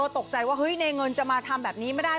ตกใจว่าเฮ้ยในเงินจะมาทำแบบนี้ไม่ได้